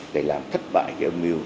để làm thất bại cái âm mưu